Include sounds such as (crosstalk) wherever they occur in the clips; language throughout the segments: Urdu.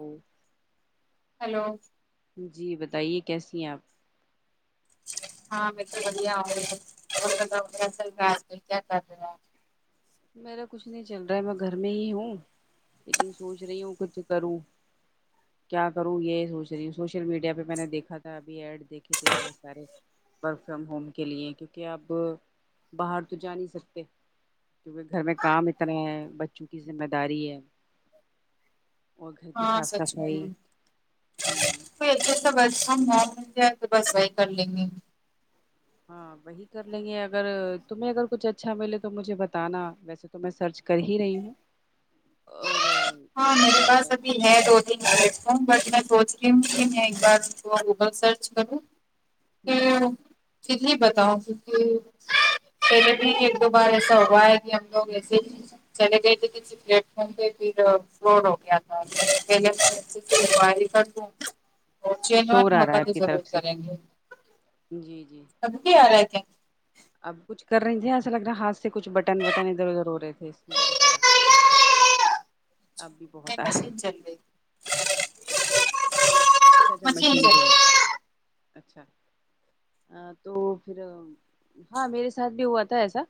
ہوں ہیلو جی بتائیے کیسی ہیں آپ (unintelligible) میرا کچھ نہیں چل رہا ہے میں گھر میں ہی ہوں لیکن سوچ رہی ہوں کچھ کروں کیا کروں یہ سوچ رہی ہوں سوشل میڈیا پہ میں نے دیکھا تھا ابھی ایڈ دیکھے تھے بہت سارے ورک فرام ہوم کے لیے کیونکہ آب باہر تو جا نہیں سکتے کیونکہ گھر میں کام اتنا ہے بچوں کی ذمہ داری ہے اور گھر کی ہاں صاف سچ صفائی ہمم وہی کچھ تو ورک فروم ہوم ملگیا تو کرلنگے ہاں وہی کر لیں گے اگر تمہیں اگر کچھ اچھا ملے تو مجھے بتانا ویسے تو میں سرچ کر ہی رہی ہوں اور ہاں میرے پاس بتانا ابھی ہے مجھے دو بٹ میں سوچ رہ ہ کہ میں ایک بار جو گوگل سرچ کروں ہ ہم ہ یہی بتاؤ کیونکہ پلے بھی ایک دو بار ایسا ہوا ہے کہ ہم لوگ ایسے ہی چلے گئے تھے کہ سکریٹ (inaudible) چین وان شور آ رہا ہے محبت آپ کی ضرور طرف سے کریں گے جی جی سب بھی آ رہے تھ اب کچھ کر رہی تھے ایسا لگ رہا ہے ہاتھ سے کچھ بٹن وٹن ادھر ادھر ہو رہے تھے اس لیے اج ار ابھی (unintelligible) جل گئی اچھا اچھا مشین چل جلی رہی۔ اچھا ہاں تو پھر ہاں میرے ساتھ بھی ہوا تھا ایسا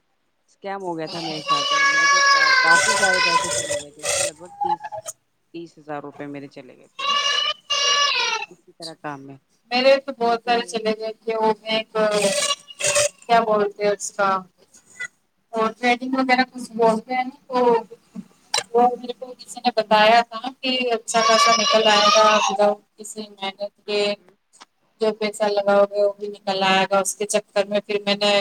اسکیم ہو گیا تھا میرے ساتھ میرے تو کافی سارے پیسے چلے گئے تھے اس میں لگ بھگ تیس تیس ہزار روپئے میرے چلے گئے تھے کسی طرح کام میں میرے تو بہت سارے مجھے چلے گئے کہ وہ میں ایک کیا بولتے اس کا اور چیٹنگ وغیرہ کچھ بولتے ہیں تو وہ میرے کو کسی نے بتایا تھا کہ اچھا خاصا نکل آئے گا اسی محنت کے جو پیسہ لگاؤ گے وہ بھی نکل آئے گا اس کے چکر میں پھر میں نے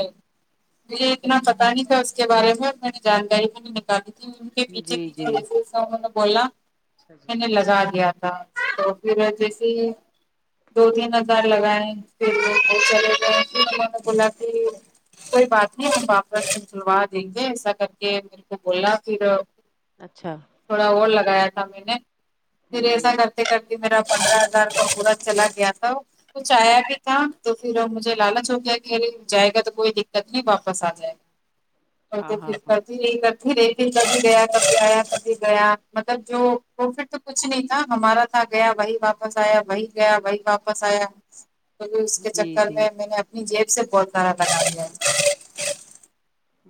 مجھے اتنا پتا نہیں تھا اس کے بارے میں اور میں نے جانکاری بھی نے نکالی ان کے پیچھے جی جی پیچھے جیسے انوں نے بولا اچھا جی میں نے لگا دیا تھا تو پرر ہاں جیسے ہی دو تین ہزار لگائے پھر نے بولا کہ کوئی بات نہیں ہم واپس سلوا دیں گے ایسا کر کے میرے کو بولا پھر اچھا تھوڑا اور لگایا تھا میں نے پھر ایسا ہوں کرتے کرتے میرا پندرہ ہزار کا پورا چلا گیا تھا کچھ آیا بھی تھا تو پھر مجھے لالچ ہو گیا کہ جائے گا تو کوئی دقت نہیں واپس آ جائے گا اور ہاں تو ہاں ہاں کتا نہیں کر ھی رہیکتی کبھی گیا کبھی آیا کبھی گیا مطلب جو پرفٹ تو کچھ نہیں تھا ہمارا گیا وہی واپس آیا وہی گیا وہی واپس آیا اس کے جی چکر جی میں میں نے اپنی جیب سے بہتارا لگا دیا ہے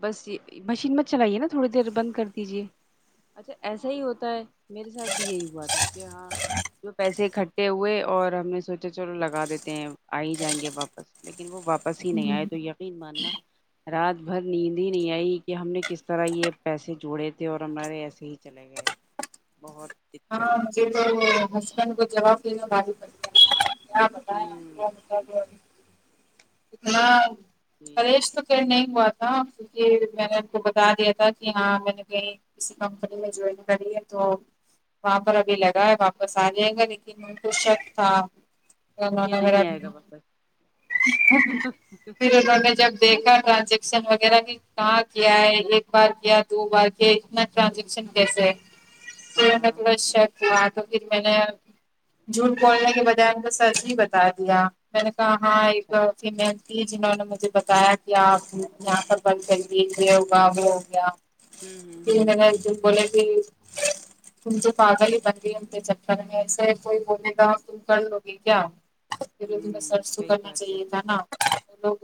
بس یہ مشین مت چلائیے نا تھوڑی دیر بند کر دیجے اچھا ایسا ہی ہوتا ہے میرے ساتھ بھی یہی ہوا تھا کہ ہاں تو پیسے اکٹھے ہوئے اور ہم نے سوچا چلو لگا دیتے ہیں آ ہی جائیں گے واپس لیکن وہ واپس ہی نہیں ہوں آئے تو یقین ماننا رات بھر نیند ہی نہیں آئی کہ ہم نے کس طرح یہ پیسے جوڑے تھے اور ہمارے ایسے ہی چلے گئے بہت دقت ہاں ہوئی مجھے تھی تو ہسبینڈ کو جواب دیینا باپ کیا بتائیں ہوں آ ا اتنا جی کلیش تو کہ نہیں ہوا تھا میں نے آ کو بتا دیا تھا کہ ہاں میں نے کہیں کسی کمپنی میں جوائن کری ہے تو وہاں پر ابھی لگا ہے واپس آ جائے گا لیکن ان کو شک تھا کہ نہیں آئے گا (unintelligible) واپس پھر انوں نے جب دیکھا تھا وغیرہ بھی کہاں کیا ہے ایک بار کیا دو بار کیا اتنا ٹرانزیکشن کیسا ہے ہاں ہاں (unintelligible) تو پھر میں نے جھوٹ بولنے کے بجائے کو سچ ہی بتا دیا میں نے کہا ہاں آ ہاں اچھا اچھا جی کی جنہوں نے مجھے بتایا کہ آپ یہاں پر بند کریے یہ ہوگا وہ ہو گیا ہوں ہوں جی ہوں میں نے جی بولے کہ تم تو پاگل ہی بن گ ان چکر میں ایسے کوئی بولے گا تم کر لو گے کیا ہوں (unintelligible) تو صحیح کرنا بات ہے چاہیے لوگ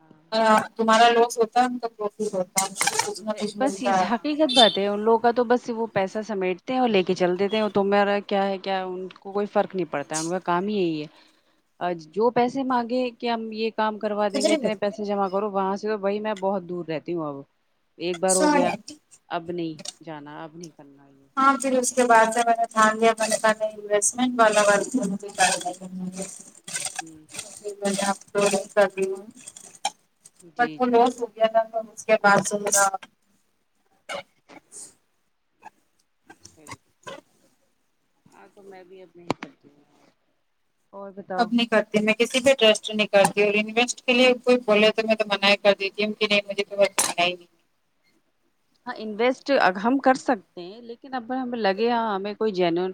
ہاں تمہارا لوگ ہوتا کچھ نہ کچھ ملتا ہے سے تو ان لوگوں کا تو بس وہ پیسہ سمیٹتے ہیں اور لے کے چل دیتے ہیں تہا کیا ہے کیا کو کوئی فرق نہیں پڑتا ہے ان کا کام ہی یہی ہے جو پیسے مانگے کہ ہم یہ کام کروا دیں گے خدرے ب اتنے پیسے جمع کرو وہاں سے تو بھائی میں بہت دور رہتی ہوں اب ایک بار ہو گیا ساڑ اب نہیں جانا اب نہیں کرنا یہ ہاں پھر اس کے بعد جی میں نے دھیان دیا میں نے انوسٹمنٹ والا ہوں ہوں ہوں (unintelligible) جی جی (unintelligible) اس کے بعد سا جی ہاں تو میں بھی اب نہیں کرتی اور بتاؤ اب نہیں کرتی میں کسی پہ ٹرسٹ نہیں کرتی اور انویسٹ کے لیے کوئی بولے تو میں تو منع ہی کر دیتی ہوں کہ نہیں مجھے نہیں ہاں انویسٹ ا ہم کر سکتے ہیں لیکن اب ہمیں لگے ہمیں کوئی جینون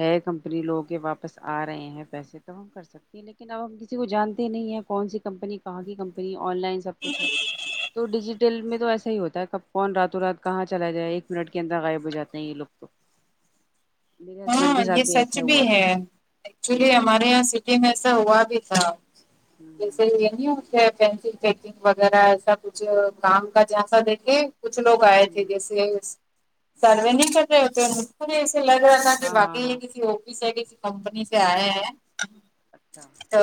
ہے کمپنی لو کے واپس آ رہے ہیں پیسے تو ہم کر سکتے یہ لیکن اب ہم کسی کو جانتے نہیں ہیں کون سی کمپنی کہاں کی کمپنی آن لائن سب کچھ ہے تو ڈیجیٹل میں تو ایسا ہی ہوتا ہے ک کون راتوں رات کہاں چلا جائے ایک منٹ کے اندر غائب ہو جاتے ہیں یہ لوگ تو میرے ہسبینڈ کے ہاں ساتھ یہ سچ ایسا بھی ہوا تھا ہے ایکچولی ہوں ہمارے یہاں میں ایسا ہوا بھی تھا جسے ہوں یہ نہیں ہو پینسل پنگ وغیرہ ایسا کچھ کام کا جیسا دیکھے کچھ لوگ آئے تھے ہوں جیسے سروے نہیں کر رہے ہوتے ایسے لگ کے ہاں باقی ہاں یہ ہاں کسی آفس یا کسی کمپنی سے آئے ہیں اچھا تو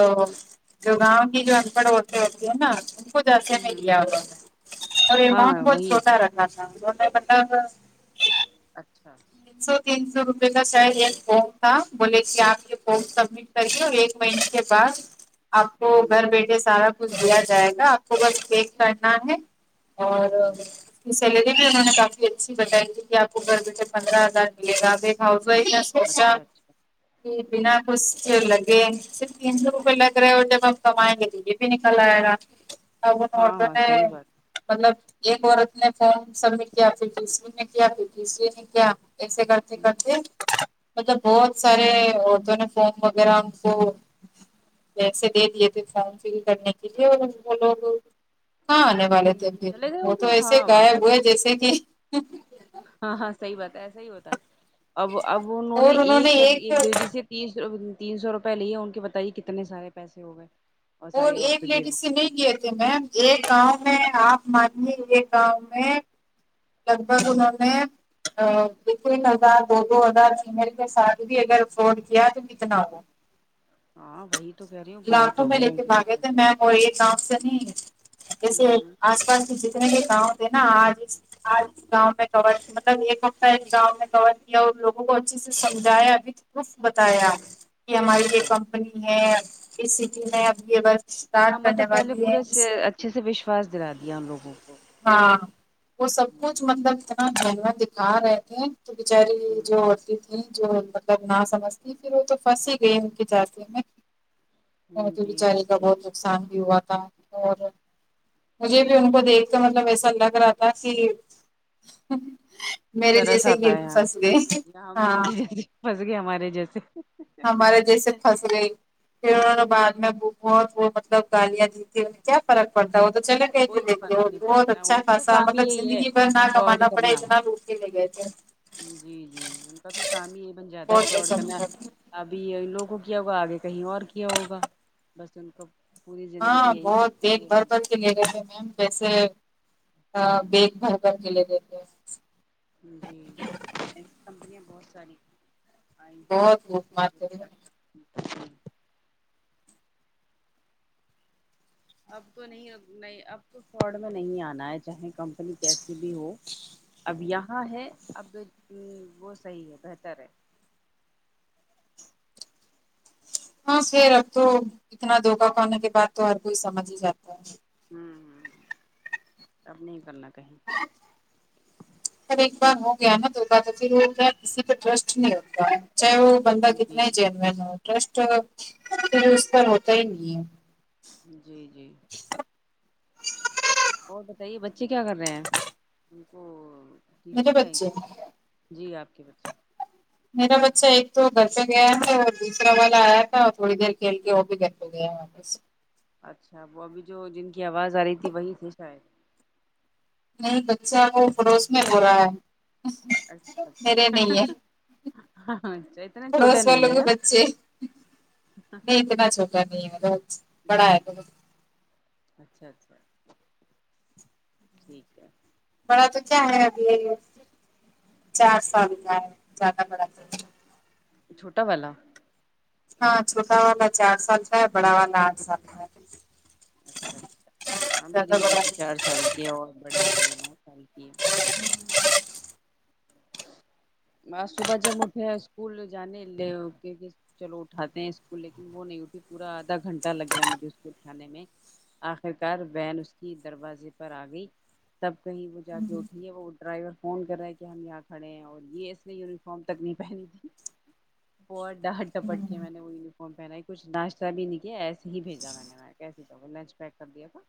جو گاؤں کی جو ان پڑھ ہوتے ہوتی ہے نا کچھ ایسے ہوں نہیں ہوں کیا انہوں نے اور ای مون ہاں بہت وہی چھوٹا رکھا تھا انہوں نے بطلب اچھا سو تین سو روپے کا شاید یہ فم تھا بولے کہ آپ یہ فم سب کر ایک مہینے کے بعد آپ ہوں کو گھر بیٹھے سارا کچھ دیا جائے گا آپ کو بس چیک کرنا ہے اور ہوں اس کی سیلری بھی انہوں نے کافی اچھی بتائی تھی کہ آپ کو گھر بیٹھے پندرہ ہزار ملے گاب ایک ہاؤس وائف کا اچھا اچھا بنا کچھ لگے صرف تین سو روپے لگ رہے اور جب ہم کمائیں گے تو یہ بھی نکل آئے گا اب ہاں میں ہاں نے صحیح بات مطلب ایک عورت نے فم سبمٹ کیا پ تس کیا تس نے کیا ایسے کرتے کرتے مطلب بہت سارے عورتوں نے فارم وغیرہ ان کو پیسے دے دیے تھے فارم فل کرنے کے لیے اور وہ لوگ کہاں آنے والے پھول تھے لے کے پھر چلے گئے وہ ہوں تو گے ایسے ہاں غائب واپس ہوئے جیسے کہ ہاں ہاں صحی بات ہے ایسا ہی ہوتا ہے اب اب انہوں نے ایک لیڈی سے ت تین سو روپئے لے ان کے بتائیے کتنے سارے پیسے ہو گئے اور ساری ایک عورتیں بے لیڈیز سے وقوف بن نہیں گ گئی تھے میم ایک گاؤں میں آپ مانیے ایک گاؤں میں لگ بھگ انہوں نے دیکھو ایک ہزار دو دو ہزار فیمل کے ساتھ بھی اگر فراڈ کیا تو کتنا ہوگا ہاں وہی تو کہہ رہی ہوں بہت لاکھوں ہو میں لے گئے ان کے تو لاگئے تھے میں وہ ایک نام سے نہیں جیسے ہ آس پاس کے جتنے بھی گاؤں تھے نا آج آج گاؤں میں کور مطلب ایک ہفتہ گاؤں میں کور کیا اور لوگوں کو اچھے سے سمجھایا ابھی پروف بتایا کہ ہماری یہ اچھا کمپنی ہے اس سٹی میں اب یہ بس ہاں مطلب پہلے پورے سے اچھے سے وشواس دلا دیا ان لوگوں کو ہاں وہ سب کچھ مطلب اتنا مہننا دکھا رہے تھے تو بچاری ہوں جو ہوتی جو مطلب نہ سمجھتی پھر وہ تو پنس ہی گئی ان کے جسے میں وہ جی جی بچاری کا صحیح بہت نقصان بھی ہوا تھا اور مجھے بھی ان کو دیکھ مطلب ایسا لگ رہا تھا کہ میرے ترس جیسے ہی آتا ہے گٹ پھنس یہاں گئے ہم ہاں ان کے جیسے پھنس گئے ہمارے جیسے ہمارے جیسے پھس گئے پھر انہوں نے بعد میں بہت وہ مطلب گالیاں دی تیں انیں کیا فرق پڑتا ہے وہ تو چلے کوئی فرق نہیں بہت پڑتا ان کا تو اچھاصا کام ہی مطلب یہی ہے زندگی بھر نہ فراڈ کمانا پڑے کرنا اتنا چلے گئے تھے جی جی ان کا تو کام ہی یہی بن جاتا ہے بہت فراڈ پسند کرنا تھا ابھی ان لوگ کو کیا ہوگا آگے کہیں اور کیا ہوگا بس ان کو پوری زندگی یہی کرتے ہیں وہ لوگ کلے گئے تھے میم ویسے ہ بگ بھر کر کےلے گئے تھے جی کمپنیاں بہت ساری بہت لوٹ مارتے تھے (unintelligible) اب تو نہیں نہیں اب تو فراڈ میں نہیں آنا ہے چاہے کمپنی کیسی بھی ہو اب یہاں ہے اب وہ صحیح ہے بہتر ہے ہاں سر اب تو اتنا دھوکا کھاننے کے بعد تو ہر کوئی سمجھ ہی جاتا ہے ہوں ہ اب نہیں کرنا کہیں ار ایک بار ہو گیا نا تو تو پھر وہ کیا کسی پہ ٹرسٹ نہیں ہوتا چاہے وہ بندہ کتنا ہی جی جینون ہے ٹرسٹ اس پر ہوتا ہی نہیں ہے جی جی اور بتائیے بچے کیا کر رہے ہیں تم کو میرے ٹیوشن گئے بچے گ جی آپ کے بچے میرا بچہ ایک تو گھر پہ گیا تھا اور دوسرا والا آیا تھا اور تھوڑی دیر کھیل کے وہ بھی گھر پہ ہو گیا واپس اچھا وہ ابھی جو جن کی آواز آ رہی تھی وہی تھی شاید نہیں بچہ وہ پڑوس میں ب رہا ہے میرے اچھا نہیں ہے ہاں اچھا اتنا چھوٹا پڑوس نہیں والوں ہے کے بچے نہیں اتنا چھوٹا نہیں ہے ہوں بڑا ہے تو اچھا اچھا ٹھیک ہے بڑا تو کیا ہے ابھی چار سال کا ہے زیادہ بڑا تو چھوٹا والا ہاں چھوٹا والا چار سال کا ہے بڑا والا آٹھ سال کا ہے اچھا اچھا ہاں زیادہ میری بھی بڑا بیٹی چار نہیں۔ سال کی ہے اور بڑی والی نو سال کی ہے اج صبح جب میں اٹھے (unintelligible) اسکول جانے لے چلو اٹھاتے ہیں اسکول لیکن وہ نہیں اٹھی پورا آدھا گھنٹہ لگ گیا مجھے اسکو اٹھانے میں آخر کار وین اس کی دروازے پر آ گئی تب کہیں وہ جا کے اٹھی ہے وہ ڈرائیور فون کر رہا ہے کہ ہم یہاں کھڑے ہیں اور یہ اس نے یونیفارم تک نہیں پہنی تھی بہ ڈٹ ٹپٹ کے میں نے وہ یونیفارم پہننا ہے کچھ ناشتہ بھی نہیں کیا ایسے ہی بھیجا میں نے کیے کچ گے لنچ پیک کر دیا تھا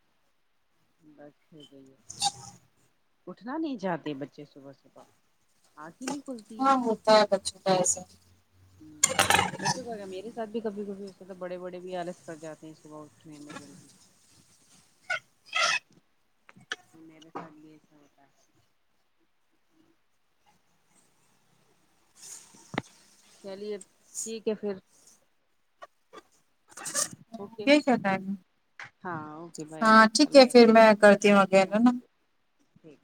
بس (unintelligible) ئی اٹھنا نہیں چاہتے بچے صبح صبح آنکھ ہی نہیں کھلتی ہ ہاں ہوتا ہے بچوں کا ایسا میرے ساتھ بھی کبھی کبھی ہوس تو بڑے بڑے بھی آلس کر جاتے ہیں صبح اٹھنے میں جلدی میرے پاس بھی ایسا ہوتا ہے چلیے ٹھیک ہے پھر ہوں دیکھا ٹم اوکے بائے ہاں ٹھیک ہے اللہ پھر میں کرتی ہوں اگل ہے نا ٹھیک